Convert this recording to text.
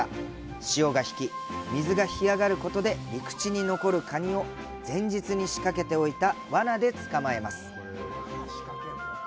潮が引き、水が干上がることで陸地に残るカニを前日に仕掛けておいたわなで捕まえます。